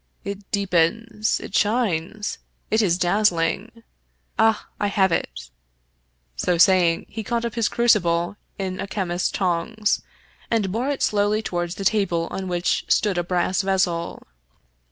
It deepens, it shines, it is daz zling ! Ah, I have it !" So saying, he caught up his cru cible in a chemist's tongs, and bore it slowly toward the table on which stood a brass vessel.